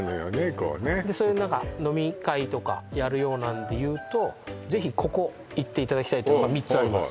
こうね飲み会とかやるようなのでいうとぜひここ行っていただきたいってとこが３つあります